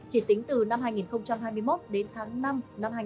chỉ tính từ năm hai nghìn hai mươi một đến tháng năm năm hai nghìn hai mươi ba